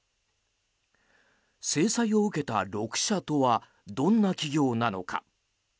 制裁を受けた６社とはどんな企業なのか。